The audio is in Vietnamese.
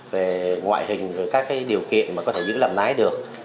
về ngoại hình và các điều kiện mà có thể giữ làm lái được